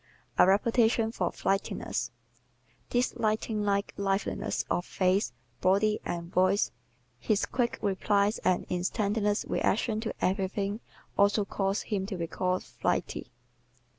A Reputation for Flightiness ¶ This lightning like liveliness of face, body and voice, his quick replies and instantaneous reactions to everything also cause him to be called "flighty."